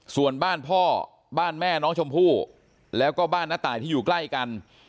ส่วนบ้านพ่อบ้านแม่น้องชมพู่แล้วก็บ้านน้าตายที่อยู่ใกล้กัน